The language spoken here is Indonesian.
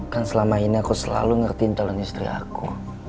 kan selama ini aku selalu ngertiin talent istri aku